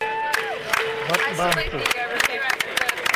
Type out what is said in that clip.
วัดบ้านสุด